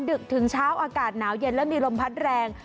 ดึกถึงเช้าอากาศหนาวเย็นและมีลมพัดแรง